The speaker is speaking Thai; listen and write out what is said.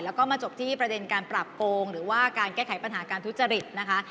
แล้วก็มาจบที่ประเด็นการปรับโกงหรือว่าการแก้ไขปัญหาการทุจริตนะคะ